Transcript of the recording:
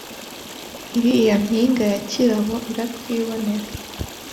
ilya mpinga ya Kirabo iratwibonera